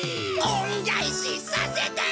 恩返しさせて。